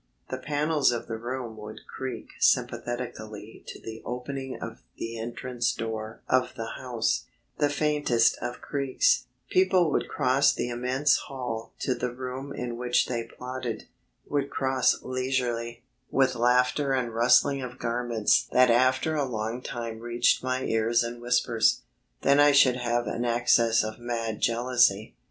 The panels of the room would creak sympathetically to the opening of the entrance door of the house, the faintest of creaks; people would cross the immense hall to the room in which they plotted; would cross leisurely, with laughter and rustling of garments that after a long time reached my ears in whispers. Then I should have an access of mad jealousy.